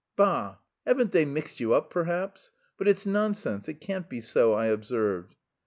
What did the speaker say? "Bah! haven't they mixed you up perhaps?... But it's nonsense, it can't be so," I observed.